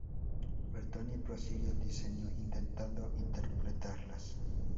Bertoni prosigue el diseño intentando interpretarlas.